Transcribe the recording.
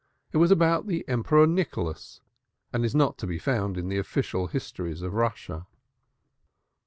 It was about the Emperor Nicholas and is not to be found in the official histories of Russia.